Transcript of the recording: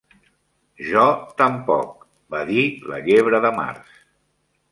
"Jo tampoc," va dir la Llebre de Març.